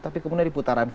tapi kemudian di fase grup